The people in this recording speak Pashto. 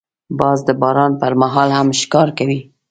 باز د باران پر مهال هم ښکار کوي